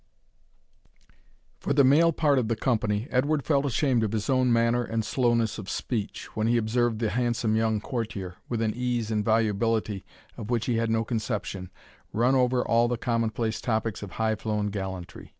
For the male part of the company, Edward felt ashamed of his own manner and slowness of speech, when he observed the handsome young courtier, with an ease and volubility of which he had no conception, run over all the commonplace topics of high flown gallantry.